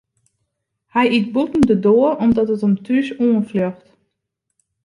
Hy yt bûten de doar omdat it him thús oanfljocht.